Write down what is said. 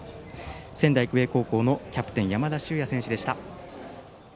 仙台育英高校のキャプテン山田脩也選手でした。